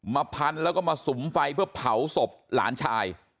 พันแล้วก็มาสุมไฟเพื่อเผาศพหลานชาย